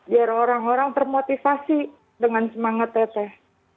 biar orang orang termotivasi dengan semangat teteh